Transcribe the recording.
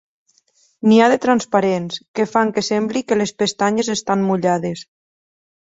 N'hi ha de transparents, que fan que sembli que les pestanyes estan mullades.